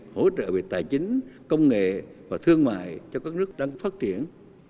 hỗ trợ về tài chính công nghệ và thương mại cho các nước đang phát triển